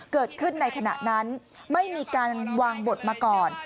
เกิดขึ้นในขณะนั้นไม่มีการวางบทมาก่อน